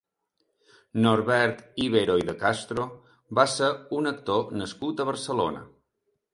Norbert Íbero i de Castro va ser un actor nascut a Barcelona.